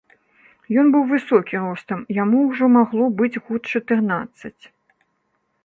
Ён быў высокі ростам, яму ўжо магло быць год чатырнаццаць.